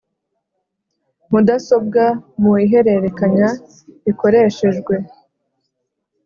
Mudasobwa mu ihererekanya rikoreshejwe